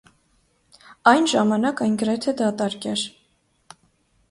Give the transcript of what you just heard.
Այն ժամանակ այն գրեթե դատարկ էր։